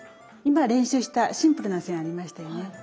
今練習したシンプルな線ありましたよね。